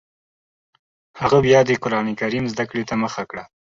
هغه بیا د قران کریم زده کړې ته مخه کړه